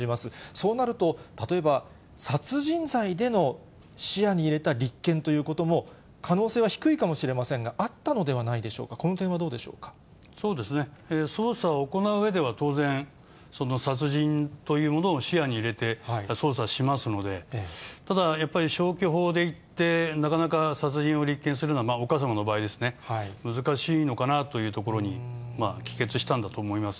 そうなると、例えば殺人罪での視野に入れた立件ということも、可能性は低いかもしれませんがあったのではないでしょうか、そうですね、捜査を行ううえでは、当然、殺人というものを視野に入れて捜査しますので、ただ、やっぱり消去法でいって、なかなか殺人を立件するのは、お母様の場合ですね、難しいのかなというところに帰結したんだと思います。